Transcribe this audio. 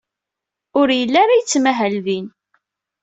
Ur yelli ara yettmahal din.